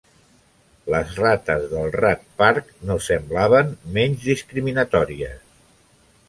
Les rates del Rat Park no semblaven menys discriminatòries.